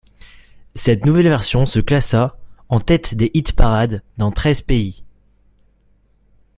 Cette nouvelle version se classa en tête des hit-parades dans treize pays.